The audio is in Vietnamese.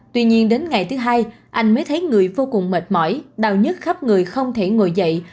tuy nhiên đến ngày thứ hai anh mới thấy người vô cùng mệt mỏi đau nhất khắp người không thể ngồi dậy